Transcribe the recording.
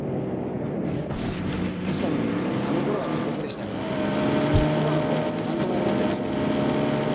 まあ確かにあの頃は地獄でしたけど今はもうなんとも思ってないんです。